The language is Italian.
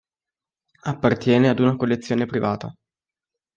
Appartiene ad una collezione privata.